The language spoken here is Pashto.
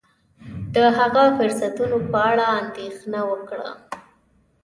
د هغه فرصتونو په اړه اندېښنه وکړه.